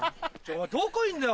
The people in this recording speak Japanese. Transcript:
どこいんだよ？